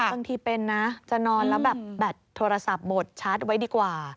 บางทีเป็นนะจะนอนแล้วแบบแบตโทรศัพท์บทชาร์จไว้ดีกว่า